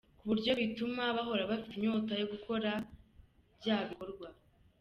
ku buryo bituma bahora bafite inyota yo gukora bya bikorwa